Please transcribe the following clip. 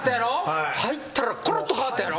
入ったらコロッと変わったやろ？